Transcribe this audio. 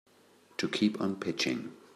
To keep on pitching.